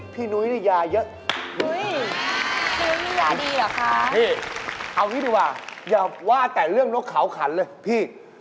เพราะว่าพี่ทำโครงการอยู่